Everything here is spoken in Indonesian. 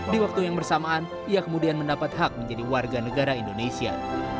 di waktu yang bersamaan ia kemudian mendapat hak menjadi warga negara indonesia